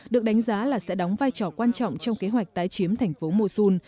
được đánh giá là sẽ đóng vai trò quan trọng trong kế hoạch tái chiếm thành phố mosun